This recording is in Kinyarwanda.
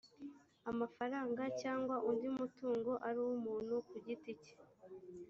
amafaranga cyangwa undi mutungo ari uw umuntu kugiti cye